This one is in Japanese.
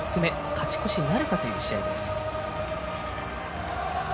勝ち越しなるかという試合です。